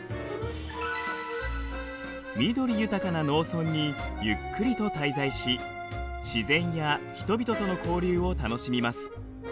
緑豊かな農村にゆっくりと滞在し自然や人々との交流を楽しみます。